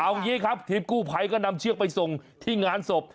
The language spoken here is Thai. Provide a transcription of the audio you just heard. เอางี้ครับทีมกู้ภัยก็นำเชือกไปส่งที่งานศพ